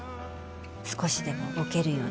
少しでも動けるように。